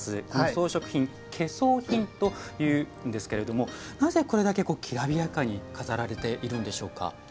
装飾品、懸装品というんですけれどもなぜこれだけ、きらびやかに飾られているんでしょうか。